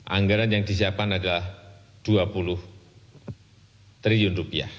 anggaran yang disiapkan adalah rp dua puluh triliun